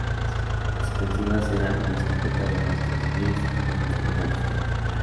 Las ofensivas eran una escopeta de unos tres pies y medio y una pistola.